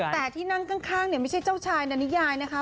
แต่ที่นั่งข้างเนี่ยไม่ใช่เจ้าชายนานิยายนะคะ